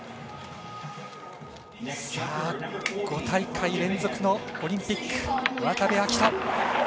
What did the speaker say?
５大会連続のオリンピック渡部暁斗。